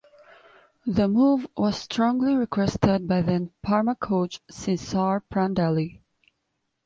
The move was strongly requested by then Parma coach Cesare Prandelli.